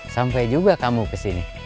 sampai juga kamu kesini